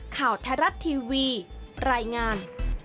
ข่าวไทยรัฐทีวีรายงาน